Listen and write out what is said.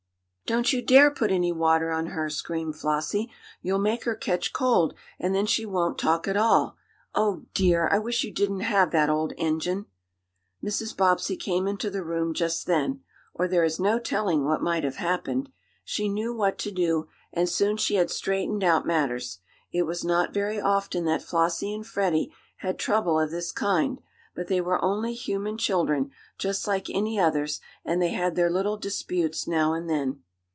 "Don't you dare put any water on her!" screamed Flossie. "You'll make her catch cold, and then she won't talk at all, Oh, dear! I wish you didn't have that old engine." Mrs. Bobbsey came into the room just then, or there is no telling what might have happened. She knew what to do, and soon she had straightened out matters. It was not very often that Flossie and Freddie had trouble of this kind, but they were only human children, just like any others, and they had their little disputes now and then.